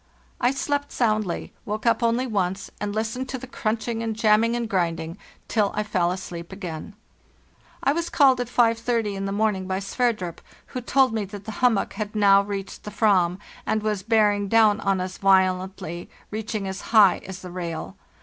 "T slept soundly, woke up only once, and listened to the crunching and jamming and grinding till I fell asleep again. I was called at 5.30 in the morning by Sverdrup, who told me that the hummock had now reached the fram, and was bearing down on us violently, reaching as high as the rail.